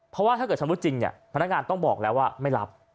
เพราะว่าถ้าเกิดชำรุดจริงพนักงานต้องบอกแล้วว่าไม่รับ